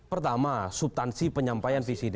pertama subtansi penyampaian visi